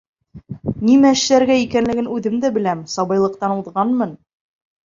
Нимә эшләргә икәнлеген үҙем дә беләм, сабыйлыҡтан уҙғанмын...